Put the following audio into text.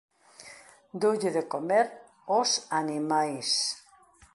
Doulle de comer ós animais